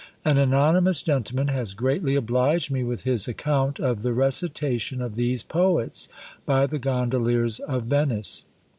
An anonymous gentleman has greatly obliged me with his account of the recitation of these poets by the gondoliers of Venice.